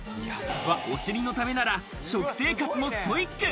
お尻のためなら食生活もストイック。